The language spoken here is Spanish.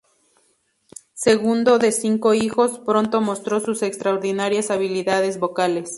Segundo de cinco hijos, pronto mostró sus extraordinarias habilidades vocales.